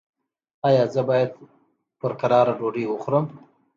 ایا زه باید په کراره ډوډۍ وخورم؟